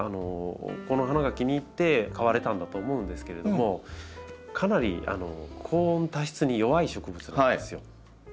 この花が気に入って買われたんだと思うんですけれどもかなり高温多湿に弱い植物なんですよ。